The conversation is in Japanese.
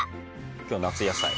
今日は夏野菜を。